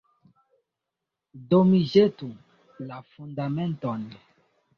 Do mi ĵetu la Fundamenton.